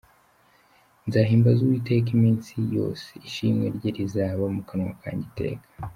Nzahimbaza Uwiteka iminsi yose, Ishimwe rye rizaba mu kanwa kanjye iteka.